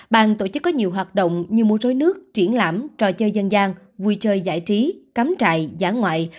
bàn tổ chức có nhiều hoạt động như múa rối nước triển lãm trò chơi dân gian vui chơi giải trí cắm trại giã ngoại